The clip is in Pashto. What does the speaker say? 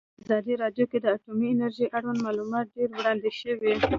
په ازادي راډیو کې د اټومي انرژي اړوند معلومات ډېر وړاندې شوي.